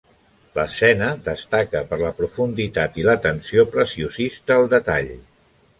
L'escena destaca per la profunditat i l'atenció preciosista al detall.